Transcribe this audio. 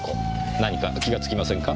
何か気がつきませんか？